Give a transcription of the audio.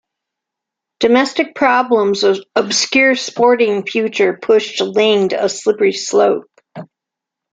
Domestic problems obscure sporting future pushed Linge a slippery slope.